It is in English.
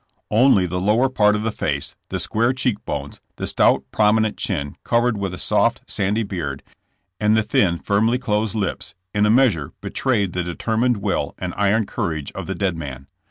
Only the lower part of the face, the square cheek bones, the stout, prominent chin covered with a soft, sandy beard, and the thin, firmly closed lips, in a measure betrayed the determined will and iron cour age of the dead man.